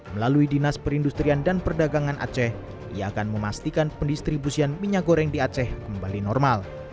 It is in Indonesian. melalui dinas perindustrian dan perdagangan aceh ia akan memastikan pendistribusian minyak goreng di aceh kembali normal